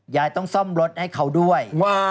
ยายต้องซ่อมรถให้เขาด้วย